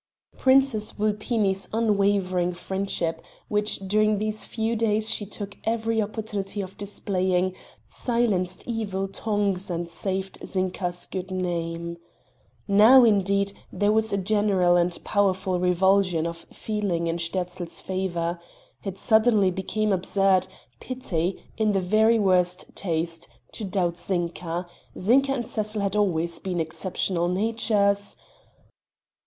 Princess Vulpini's unwavering friendship, which during these few days she took every opportunity of displaying, silenced evil tongues and saved Zinka's good name. Now, indeed, there was a general and powerful revulsion of feeling in Sterzl's favor. It suddenly became absurd, petty, in the very worst taste, to doubt Zinka Zinka and Cecil had always been exceptional natures....